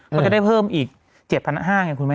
ก็จะได้เพิ่มอีก๗๕๐๐ไงคุณแม่